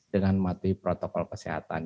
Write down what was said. dengan mati protokol kesehatan